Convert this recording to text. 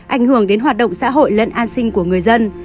ảnh hưởng đến hoạt động xã hội lẫn an sinh của người dân